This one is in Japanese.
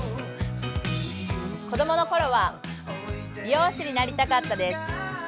子供の頃は美容師になりたかったです。